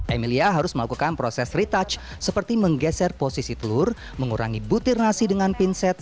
emilia harus melakukan proses retouch seperti menggeser posisi telur mengurangi butir nasi dengan pinset